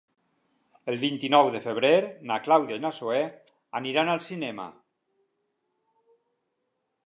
El vint-i-nou de febrer na Clàudia i na Zoè aniran al cinema.